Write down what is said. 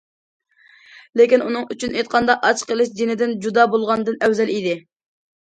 لېكىن ئۇنىڭ ئۈچۈن ئېيتقاندا، ئاچ قېلىش، جېنىدىن جۇدا بولغاندىن ئەۋزەل ئىدى.